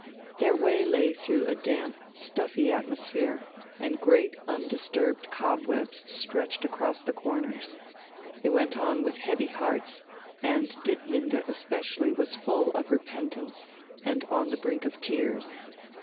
Their way lay through a damp, stuffy atmosphere, and great undisturbed cobwebs stretched across the corners; they went with heavy hearts, and Ditlinde especially was full of repentance and on the brink of tears.